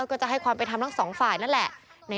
ก็จะให้ความไปทำทั้ง๒ฝ่ายนั่นแหละ